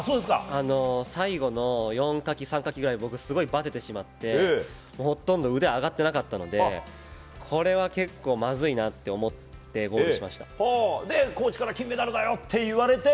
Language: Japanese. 最後の４かき３かきぐらいですごいバテてしまって、ほとんど腕が上がっていなかったので、これは結構まずいなって思ってゴールしコーチから金メダルだよって言われて。